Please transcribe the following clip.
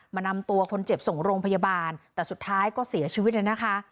นำตัวคนเจ็บส่งโรงพยาบาลแต่สุดท้ายก็เสียชีวิตเลยนะคะ